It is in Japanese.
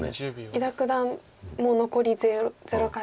伊田九段も残り０回と。